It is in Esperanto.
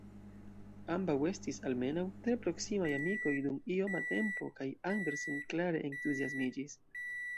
Ambaŭ estis, almenaŭ, tre proksimaj amikoj dum ioma tempo kaj Andersen klare entuziasmiĝis.